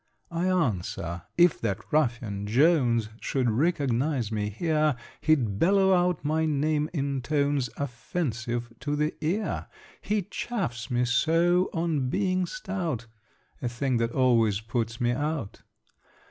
I answer "If that ruffian Jones Should recognise me here, He'd bellow out my name in tones Offensive to the ear: He chaffs me so on being stout (A thing that always puts me out)."